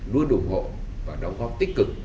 luôn ủng hộ và đóng góp tích cực